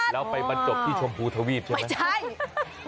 แล้วไปบรรจบที่ชมพูทวีปใช่ไหมใช่